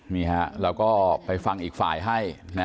มีฮะเราก็ไปฟังอีกฝ่ายให้นะ